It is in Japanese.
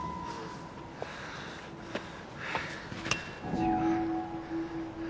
違う。